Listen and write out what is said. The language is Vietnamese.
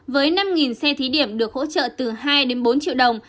với năm xe thí điểm được hỗ trợ từ hai đến bốn triệu đồng